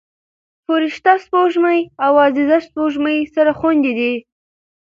فرشته سپوږمۍ او عزیزه سپوږمۍ سره خویندې دي